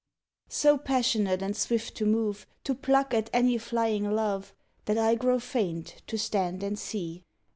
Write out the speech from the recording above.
_ So passionate and swift to move, To pluck at any flying love, That I grow faint to stand and see.